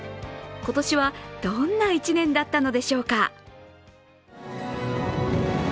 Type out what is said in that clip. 今年はどんな１年だったのでしょうか。